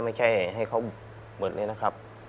๒๕๐๐๐ไม่ใช่ให้เขาหมดเลยนะครับ